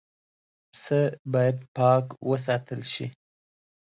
پسه باید پاک وساتل شي.